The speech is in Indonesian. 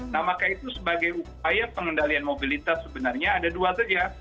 nah maka itu sebagai upaya pengendalian mobilitas sebenarnya ada dua saja